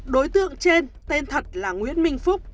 đối tượng trên tên thật là nguyễn minh phúc